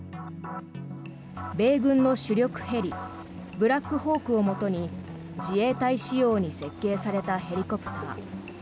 米軍の主力ヘリブラックホークをもとに自衛隊仕様に設計されたヘリコプター。